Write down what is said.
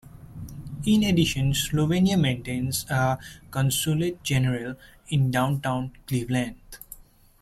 In addition Slovenia maintains a Consulate-General in Downtown Cleveland.